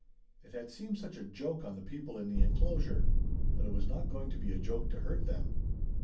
It had seemed such a joke on the people in the enclosure. But it was not going to be a joke to hurt them.